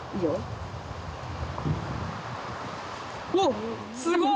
おっすごい！